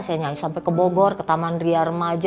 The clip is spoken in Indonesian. saya sampai ke bogor ke taman ria remaja